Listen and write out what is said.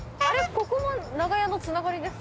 ここも長屋のつながりですか？